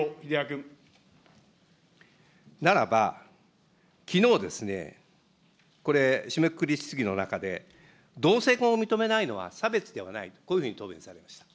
ならば、きのうですね、これ、締めくくり質疑の中で、同性婚を認めないのは差別ではない、こういうふうに答弁されました。